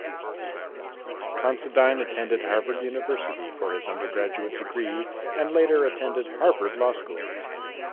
Considine attended Harvard University for his undergraduate degree and later attended Harvard Law School.